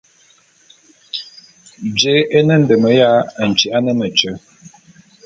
Jé é ne ndem ya ntyi'ibane metye?